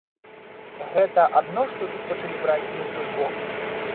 Гэта адно што тут пачалі браць не ў той бок.